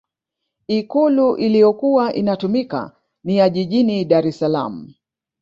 ikulu iliyokuwa inatumika ni ya jijini dar es salaam